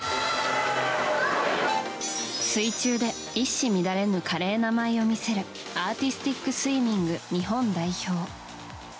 水中で一糸乱れぬ華麗な舞を見せるアーティスティックスイミング日本代表。